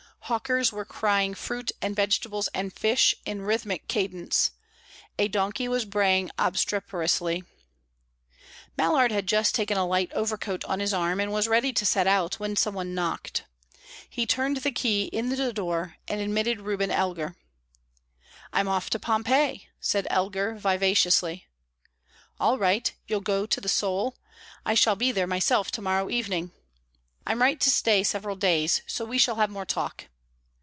Hawkers were crying fruit and vegetables and fish in rhythmic cadence; a donkey was braying obstreperously. Mallard had just taken a light overcoat on his arm, and was ready to set out, when some one knocked. He turned the key in the door, and admitted Reuben Elgar. "I'm off to Pompeii," said Elgar, vivaciously. "All right. You'll go to the 'Sole'? I shall be there myself to morrow evening." "I'm likely to stay several days, so we shall have more talk."